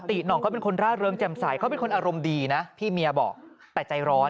หน่องเขาเป็นคนร่าเริงแจ่มใสเขาเป็นคนอารมณ์ดีนะพี่เมียบอกแต่ใจร้อน